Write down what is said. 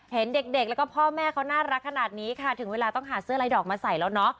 เห็นเด็กแล้วก็พ่อแม่เขาน่ารักขนาดนี้ค่ะถึงเวลาต้องหาเสื้อลายดอกมาใส่แล้วเนาะ